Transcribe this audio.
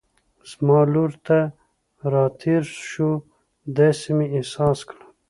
زما لور ته را تېر شو، داسې مې احساس کړل.